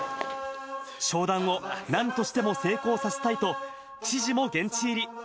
商談をなんとしても成功させたいと、知事も現地入り。